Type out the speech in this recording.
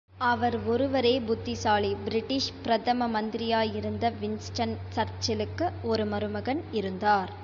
அவர் ஒருவரே புத்திசாலி பிரிட்டிஷ் பிரதம மந்திரியாயிருந்த வின்ஸ்டன் சர்ச்சிலுக்கு ஒரு மருமகன் இருந்தார்.